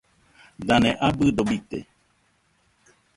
Dane abɨdo bite